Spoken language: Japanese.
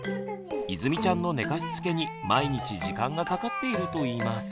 いずみちゃんの寝かしつけに毎日時間がかかっているといいます。